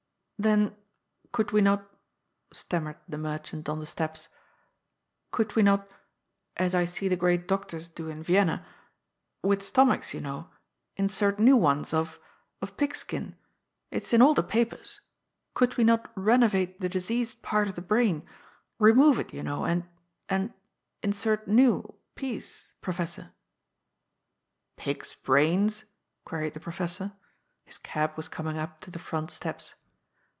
" Then, could we not,*' stammered the merchant on the steps, "could we not — as I see the great doctors do in Vienna — ^with stomachs, you know, insert new ones of — of pigskin — it's in all the papers — could we not renovate the diseased part of the brain — remove it, you know, and — and insert new — ^piece, professor !" "Pig's brains?" queried the professor. His cab was coming up to the front steps.